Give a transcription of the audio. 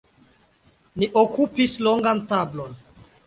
Ni okupis longan tablon.